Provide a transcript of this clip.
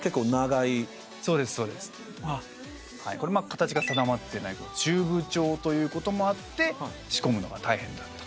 形が定まってないチューブ状ということもあって仕込むのが大変だった。